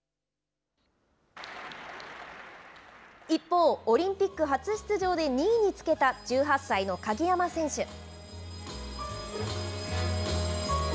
一方、オリンピック初出場で２位につけた１８歳の鍵山選手。